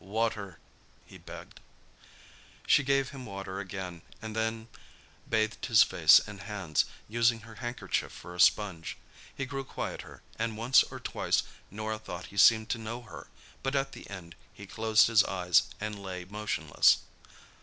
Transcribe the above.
"Water!" he begged. She gave him water again, and then bathed his face and hands, using her handkerchief for a sponge. He grew quieter, and once or twice Norah thought he seemed to know her; but at the end he closed his eyes and lay motionless.